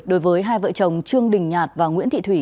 đối với hai vợ chồng trương đình nhạt và nguyễn thị thủy